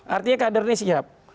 artinya keadilannya siap